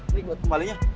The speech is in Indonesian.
ini buat kembalinya